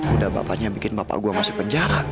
udah bapaknya bikin bapak gue masuk penjara